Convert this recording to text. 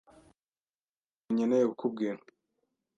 Hariho ikindi kintu nkeneye kukubwira.